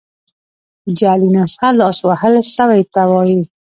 جعلي نسخه لاس وهل سوي ته وايي.